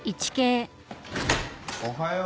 おはよう。